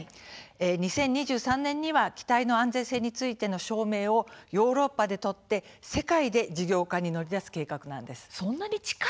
２０２３年には機体の安全性についての証明をヨーロッパで取って世界で事業化に乗り出す計画です。